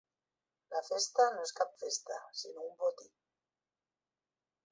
La festa no és cap festa, sinó un botí.